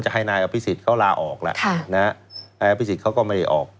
ให้นายอภิษฎเขาลาออกแล้วนายอภิษฎเขาก็ไม่ได้ออก